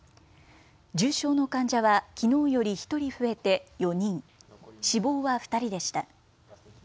重症の患者はきのうより１人増えて４人、死亡は２人でした。